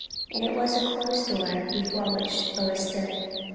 And it was a closed door before which Lois stood.